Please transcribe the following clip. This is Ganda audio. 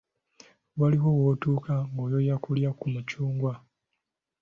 Waliwo w'otuuka ng'oyoya kulya ku mucungwa.